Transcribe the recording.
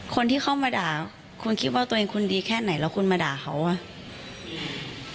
คนที่เข้ามาด่าคุณคิดว่าตัวเองคุณดีแค่ไหนแล้วคุณมาด่าเขาอ่ะ